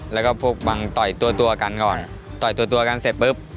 แล้วก็พวกบังต่อยตัวตัวกันก่อนต่อยตัวตัวกันเสร็จปุ๊บ